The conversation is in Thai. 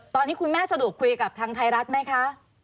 ตอนนี้คุณแม่สะดวกคุยกับทางไทยรัฐไหมคะ